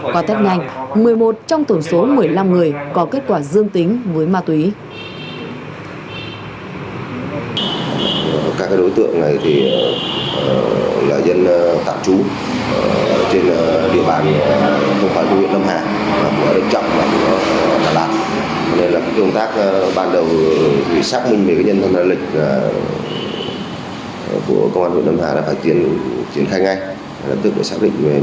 có thét nhanh một mươi một trong tổng số một mươi năm người có kết quả dương tính với ma túy